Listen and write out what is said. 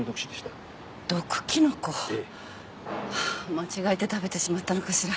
間違えて食べてしまったのかしら？